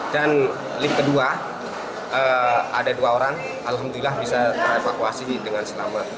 dan lift kedua ada dua orang alhamdulillah bisa ter evakuasi dengan selamat